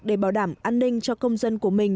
để bảo đảm an ninh cho công dân của mình